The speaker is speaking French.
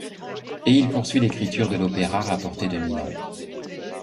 Et il poursuit l’écriture de l’opéra rapporté de Milan.